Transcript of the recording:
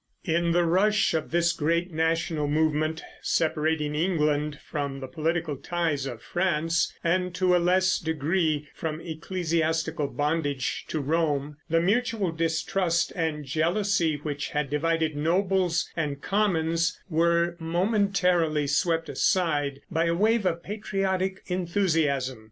In the rush of this great national movement, separating England from the political ties of France and, to a less degree, from ecclesiastical bondage to Rome, the mutual distrust and jealousy which had divided nobles and commons were momentarily swept aside by a wave of patriotic enthusiasm.